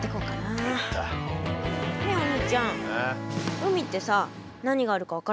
海ってさ何があるか分からないじゃない。